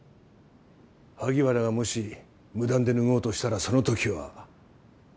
萩原がもし無断で脱ごうとしたらその時は。